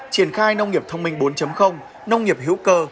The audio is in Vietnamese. triển khai nông nghiệp thông minh bốn nông nghiệp hữu cơ